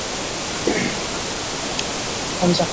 আমি চাকরির ইন্টারভিউ নিচ্ছি।